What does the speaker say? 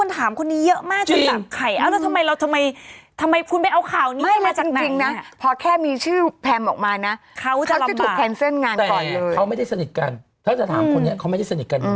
เขาไม่ได้สนิทกันถ้าจะถามคนนี้เขาไม่ได้สนิทกัน